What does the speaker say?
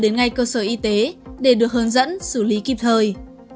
đến ngay cơ sở y tế để được hướng dẫn xử lý kịp thời